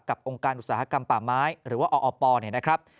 องค์การอุตสาหกรรมป่าไม้หรือว่าออปเนี่ยนะครับ